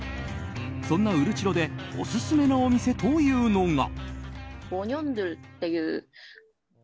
そんなウルチロでオススメのお店というのが。